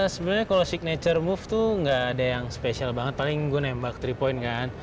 sebenarnya kalau signature move tuh gak ada yang spesial banget paling gue nembak tiga point kan